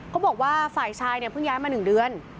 เขาบอกว่าฝ่ายชายเนี่ยเพิ่งย้ายมา๑เดือน